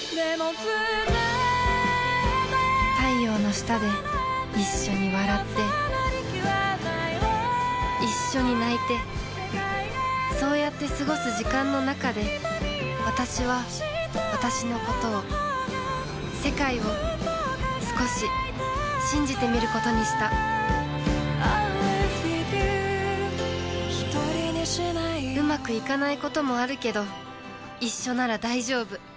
太陽の下で一緒に笑って一緒に泣いてそうやって過ごす時間の中でわたしはわたしのことを世界を少し信じてみることにしたうまくいかないこともあるけど一緒なら大丈夫